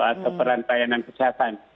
atau peran pelayanan kesehatan